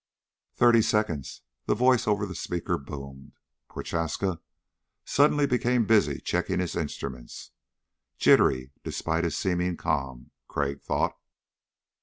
"Thirty seconds...." The voice over the speaker boomed. Prochaska suddenly became busy checking his instruments. Jittery despite his seeming calm, Crag thought.